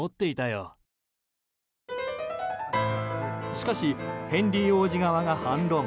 しかしヘンリー王子側が反論。